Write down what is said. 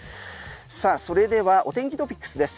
さあそれではお天気トピックスです。